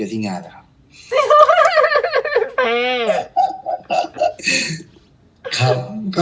เอ้าจริงดิทำไมอะ